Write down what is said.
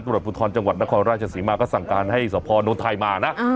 ตำรวจภูทรจังหวัดนครราชศรีมาก็สั่งการให้สพนไทยมานะ